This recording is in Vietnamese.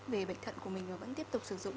về bệnh thận của mình và vẫn tiếp tục sử dụng